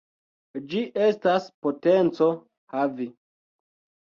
Ĝi estas potenco havi.